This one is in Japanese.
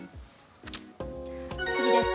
次です。